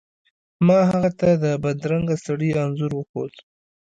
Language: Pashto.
ما هغه ته د بدرنګه سړي انځور وښود.